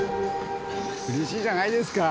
嬉しいじゃないですか！